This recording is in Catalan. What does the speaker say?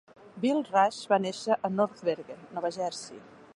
Bill Raisch va néixer a North Bergen, Nova Jersey.